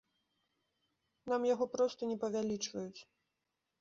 Нам яго проста не павялічваюць.